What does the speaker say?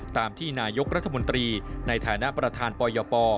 ตามที่นายกรัฐมนตรีในฐานะประธานปยป